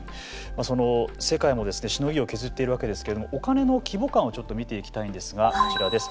世界もしのぎを削っているわけですけれども、お金の規模感を見ていきたいんですがこちらです。